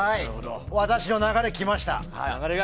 私の流れ、来ました。